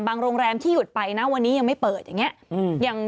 โรงแรมที่หยุดไปนะวันนี้ยังไม่เปิดอย่างนี้